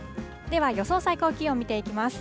では予想最高気温見ていきます。